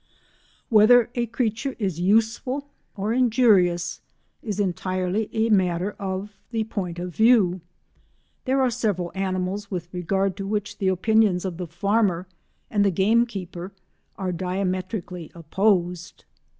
Whether a creature is useful or injurious is entirely a matter of the point of view. There are several animals with regard to which the opinions of the farmer and the gamekeeper are diametrically opposed!